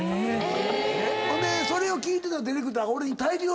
ほんでそれを聞いてたディレクターに。